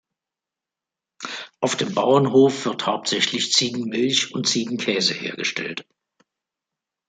Auf dem Bauernhof wird hauptsächlich Ziegenmilch und Ziegenkäse hergestellt.